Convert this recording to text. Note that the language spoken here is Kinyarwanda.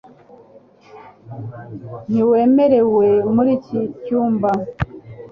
Ntiwemerewe muri iki cyumba